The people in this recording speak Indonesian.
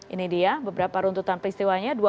ini dia beberapa runtutan peristiwanya